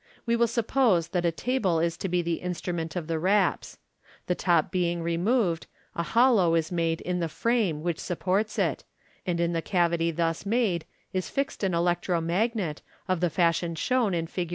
We will suppose that a table is to be the instrument of the raps. The top being removed, a hollow is made in the " frame " which supports it, and in the cavity thus made is fixed an electro magnet, of the fashion shown in Figs.